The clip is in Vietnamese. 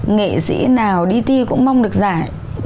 nghệ sĩ nào đi thi cũng mong được giải